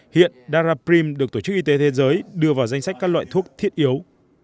hiện darabrim được tổ chức y tế thế giới đưa vào danh sách các loại thuốc thiết yếu